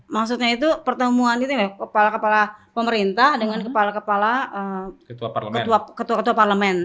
maksudnya itu pertemuan kepala kepala pemerintah dengan kepala kepala ketua parlement